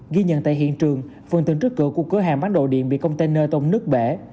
ghi nhận tại hiện trường phần tường trước cửa của cửa hàng bán đồ điện bị container tông nứt bể